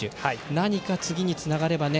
何か次につながればね。